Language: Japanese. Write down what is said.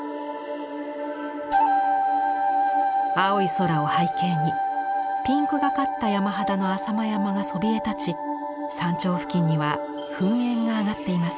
青い空を背景にピンクがかった山肌の浅間山がそびえ立ち山頂付近には噴煙が上がっています。